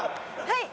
はい。